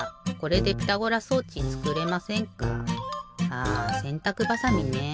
ああせんたくばさみねえ。